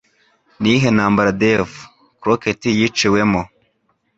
Ni iyihe ntambara Davy Crockett yiciwemo